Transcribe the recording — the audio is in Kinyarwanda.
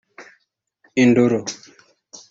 Indoro